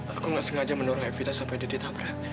aku gak sengaja menorong epita sampai dia ditabrak